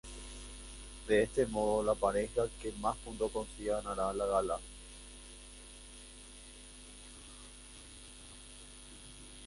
De este modo, la pareja que más puntos consiga ganará la gala.